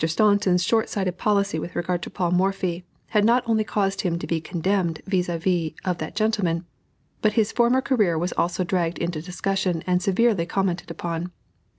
Staunton's short sighted policy with regard to Paul Morphy, had not only caused him to be condemned vis à vis of that gentleman, but his former career was also dragged into discussion and severely commented upon.